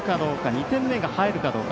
２点目が入るかどうか。